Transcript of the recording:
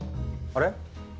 あれ？